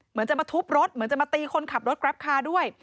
เหมือนจะมาทุบรถเหมือนจะมาตีคนขับรถกราฟคาร์ด้วย